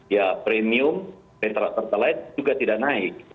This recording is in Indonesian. ya premium per pertalian juga tidak naik